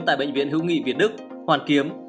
tại bệnh viện hữu nghị việt đức hoàn kiếm